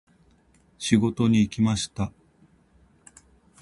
仕事に行きました。